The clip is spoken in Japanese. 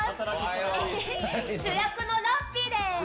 エヘヘ主役のラッピーでーす。